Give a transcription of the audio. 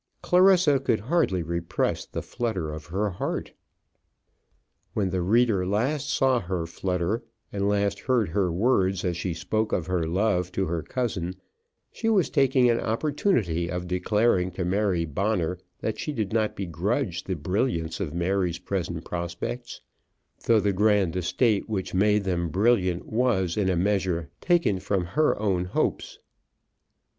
Clarissa could hardly repress the flutter of her heart. When the reader last saw her flutter, and last heard her words as she spoke of her love to her cousin, she was taking an opportunity of declaring to Mary Bonner that she did not begrudge the brilliance of Mary's present prospects, though the grand estate which made them brilliant was in a measure taken from her own hopes.